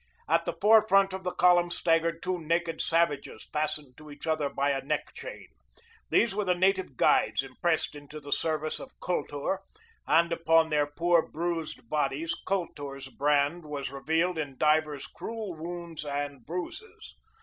At the forefront of the column staggered two naked savages fastened to each other by a neck chain. These were the native guides impressed into the service of Kultur and upon their poor, bruised bodies Kultur's brand was revealed in divers cruel wounds and bruises.